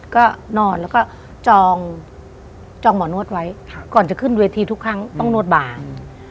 ก็นอนแล้วก็จองหมอนวดไว้ก่อนจะขึ้นเวทีทุกครั้งต้องนวดบาง